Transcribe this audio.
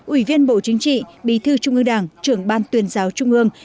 ủy viên bộ chính trị bí thư trung ương đảng trưởng ban tuyên giáo trung ương